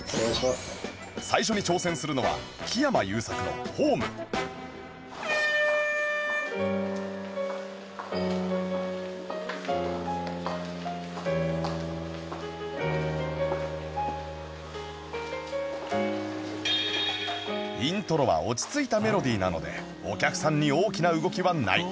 最初に挑戦するのは木山裕策の『ｈｏｍｅ』『ｈｏｍｅ』イントロは落ち着いたメロディなのでお客さんに大きな動きはない